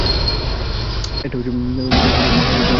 এটা ভুল বোঝাবুঝি।